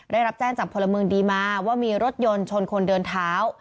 ได้รับแจ้งจากพลเมืองดีมาว่ามีรถยนต์ชนคนเดินเท้า